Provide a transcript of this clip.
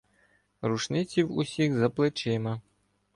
Рушниці в усіх за плечима.